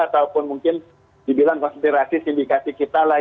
ataupun mungkin dibilang konspirasi sindikasi kita lah